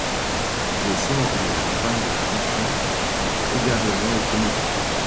Les sons de la fin de la chanson ont également été modifiés.